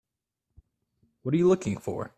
What are you looking for?